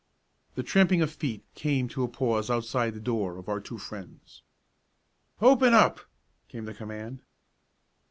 The tramping of feet came to a pause outside the door of our two friends. "Open up!" came the command.